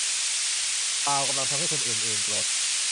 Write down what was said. ซาลกำลังทำให้คนอื่น ๆ โกรธ